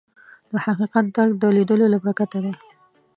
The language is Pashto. د حقیقت درک د لیدلو له برکته دی